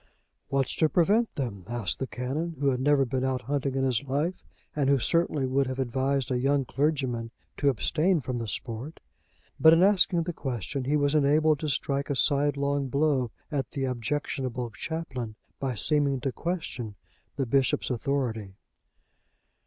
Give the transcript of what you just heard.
"What's to prevent them?" asked the Canon, who had never been out hunting in his life, and who certainly would have advised a young clergyman to abstain from the sport. But in asking the question, he was enabled to strike a sidelong blow at the objectionable chaplain, by seeming to question the bishop's authority.